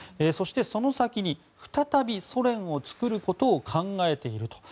そして、その先に再びソ連を作ることを考えている。